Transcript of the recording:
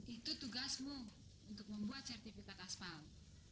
itu tugasmu untuk membuat sertifikat aspal